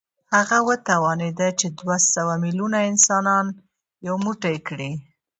هغه وتوانېد چې دوه سوه ميليونه انسانان يو موټی کړي.